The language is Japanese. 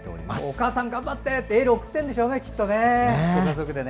お母さん頑張って！ってエールを送ってるんでしょうねご家族で。